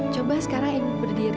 coba sekarang ibu berdiri